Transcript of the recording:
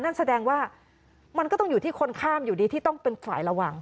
นั่นแสดงว่ามันก็ต้องอยู่ที่คนข้ามอยู่ดีที่ต้องเป็นฝ่ายระวัง